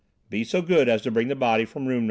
"Be so good as to bring the body from room No.